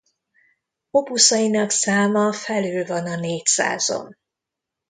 Opusainak száma felül van a négyszázon.